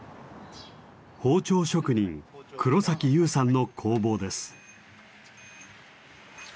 包丁職人黒優さんの工房です。